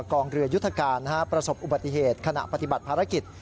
กองเรือยุทธการประสบอุบัติเหตุขณะปฏิบัติภารกิจ